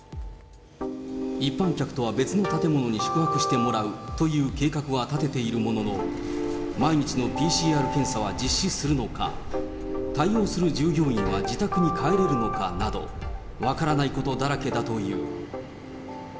一般客とは別の建物に宿泊してもらうという計画は立てているものの、毎日のＰＣＲ検査は実施するのか、対応する従業員は自宅に帰れるのかなど、分からないことだらけだという。